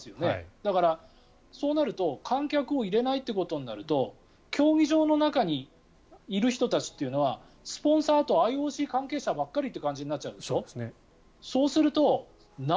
だから、そうなると観客を入れないってことになると競技場の中にいる人たちっていうのはスポンサーとＩＯＣ関係者ばかりという感じになっちゃうんでしょ。